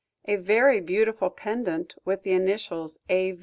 "A VERY BEAUTIFUL PENDANT, WITH THE INITIALS 'A.